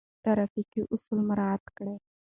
ترافیکي اصول مراعات کړئ.